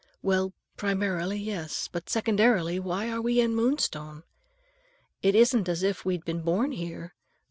"Well, primarily, yes. But secondarily, why are we in Moonstone? It isn't as if we'd been born here.